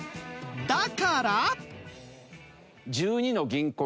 だから